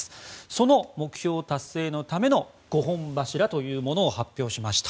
その目標達成のための５本柱というものを発表しました。